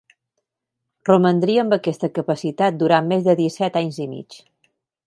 Romandria amb aquesta capacitat durant més de disset anys i mig.